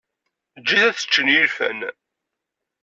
Eǧǧ-it ad t-ččen yilfan.